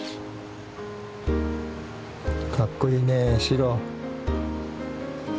かっこいいねシロ！